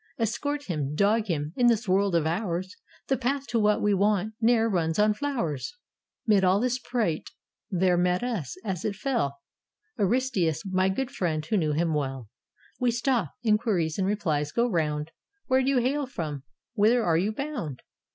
Escort him, dog him. In this world of ours The path to what we want ne'er runs on flowers." 408 I I A ROMAN BORE 'Mid all this prate there met us, as it fell, Aristius, my good friend, who knew him well. We stop : inquiries and replies go round : "Where do you hail from? " "Whither are you bound?"